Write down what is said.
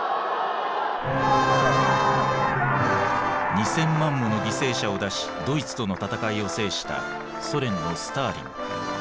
２，０００万もの犠牲者を出しドイツとの戦いを制したソ連のスターリン。